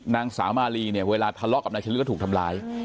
นางสาวมาลีเนี่ยเวลาทะเลาะกับนายชะลึกก็ถูกทำร้าย